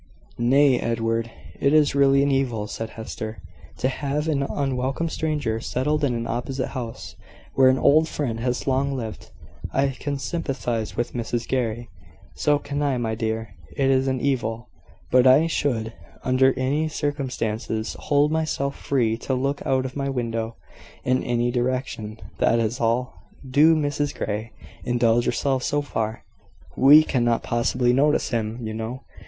"Nay, Edward, it is really an evil," said Hester, "to have an unwelcome stranger settled in an opposite house, where an old friend has long lived. I can sympathise with Mrs Grey." "So can I, my dear. It is an evil: but I should, under any circumstances, hold myself free to look out of my window in any direction that is all. Do, Mrs Grey, indulge yourself so far." "We cannot possibly notice him, you know.